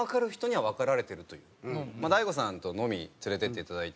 大悟さんと飲みに連れていっていただいて。